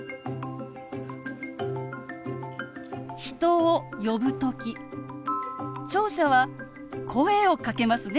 人を呼ぶ時聴者は声をかけますね。